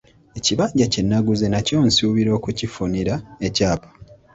Ekibanja kye nnaguze nakyo nsuubira okukifunira ekyapa.